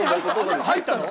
入ったの？